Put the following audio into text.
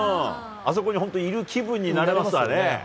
あそこに本当にいる気分になれますね。